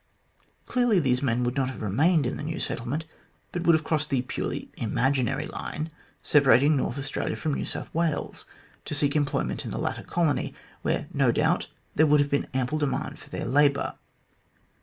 Clearly these men would not have remained in the new settlement, but would have crossed the purely imaginary line separating North Australia from New South "Wales to seek employment in the latter colony, where, no doubt, there would have been ample demand for their labour.